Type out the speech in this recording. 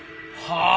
はあ。